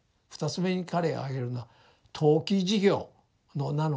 ２つ目に彼が挙げるのは投機事業の名の下にですね